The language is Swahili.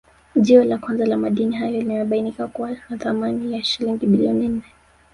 Jiwe la kwanza la madini hayo limebainika kuwa na thamani ya shilingi bilioni nne